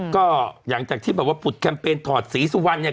ก็อย่างจากที่บอกว่าปุดแกมเปญตอดศรีสุวรรณเนี่ย